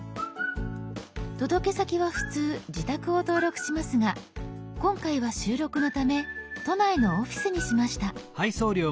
届け先は普通自宅を登録しますが今回は収録のため都内のオフィスにしました。